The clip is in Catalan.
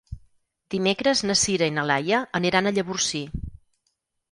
Dimecres na Sira i na Laia aniran a Llavorsí.